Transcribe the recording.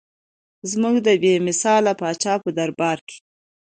زموږ د بې مثال پاچا په دربار کې.